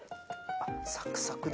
あっサクサクだ。